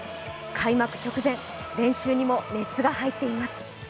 開幕直前、練習にも熱が入っています。